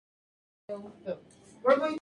Se diplomó en la Universidad de McGill.